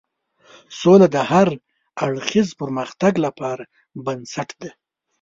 سوله د هر اړخیز پرمختګ لپاره بنسټ ده.